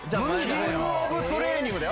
キングオブトレーニングだよ。